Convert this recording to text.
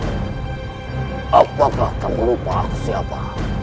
apakah kamu lupa siapa